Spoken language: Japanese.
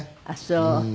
あっそう。